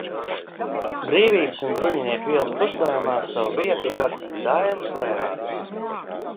Brīvības un Bruņinieku ielas krustojumā savu vietu radis Dailes teātris.